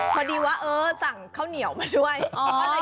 พอดีว่าเออสั่งข้าวเหนียวมาด้วย